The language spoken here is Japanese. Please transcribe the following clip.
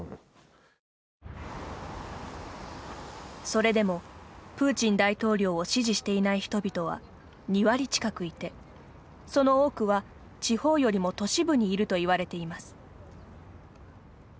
それでも、プーチン大統領を支持していない人々は２割近くいてその多くは、地方よりも都市部にいるといわれています。